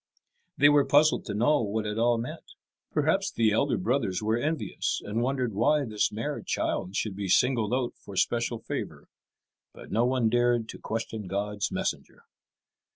They were puzzled to know what it all meant. Perhaps the elder brothers were envious, and wondered why this mere child should be singled out for special favour. But no one dared to question God's messenger.